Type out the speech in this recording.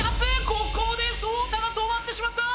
ここでそうたが止まってしまった！